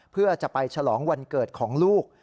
เพื่อจะไปฉลองวันเกิดของลูก